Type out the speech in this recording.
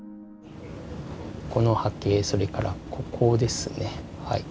この波形それからここですねはい。